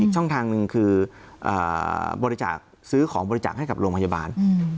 ช่องทางหนึ่งคือบริจาคซื้อของบริจาคให้กับโรงพยาบาล